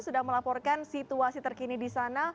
sudah melaporkan situasi terkini di sana